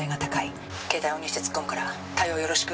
「携帯をオンにして突っ込むから対応よろしく」